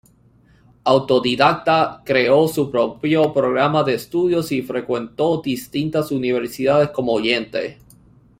Autodidacta, creó su propio programa de estudios y frecuentó distintas universidades como oyente.